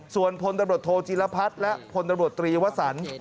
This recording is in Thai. ส่วนพลตรวจโทจิรพัฒน์และพลตรวจตรีวสรรค์